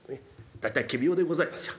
大体仮病でございますよ。